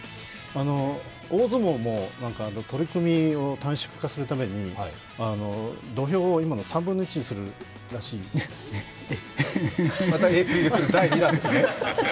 大相撲も取組を短縮化するために土俵を今の３分の１にするらしいまたエイプリルフール第２弾ですね？